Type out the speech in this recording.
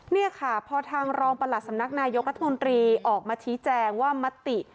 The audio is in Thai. นี่ค่ะพอทางรองประหลัดสำนักนายกรัฐมนตรีออกมาชี้แจงว่ามติ